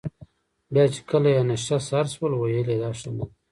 بیا چې کله یې نشه سر شول ویل یې دا ښه نه دي.